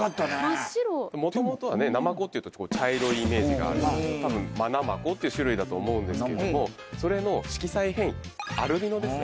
真っ白もともとはねナマコっていうと茶色いイメージがあるんですけどたぶん「マナマコ」っていう種類だと思うんですけどもそれの色彩変異アルビノですね